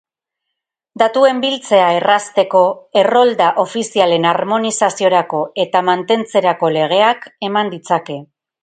Datuen biltzea errazteko errolda ofizialen harmonizaziorako eta mantentzerako legeak eman ditzake.